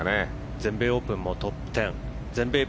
全米オープンもトップ１０。